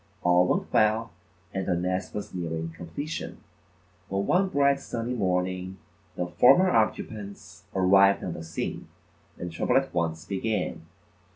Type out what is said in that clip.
All went well and the nest was nearing completion, when one bright sunny morning, the former occupants arrived on the scene and trouble at once began.